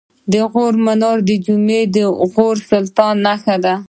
د غور منارې جمعې د غوري سلطنت نښه ده